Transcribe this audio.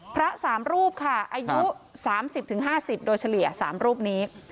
๓รูปค่ะอายุ๓๐๕๐โดยเฉลี่ย๓รูปนี้